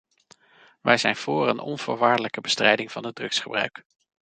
Wij zijn voor een onvoorwaardelijke bestrijding van het drugsgebruik.